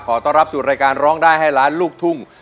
ขอต้อนรับสู่รายการร้องได้ให้ล้านลูกทุ่ง